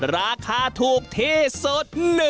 ราคาถูกที่สุด